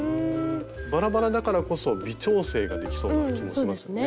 バラバラだからこそ微調整ができそうな気もしますよね。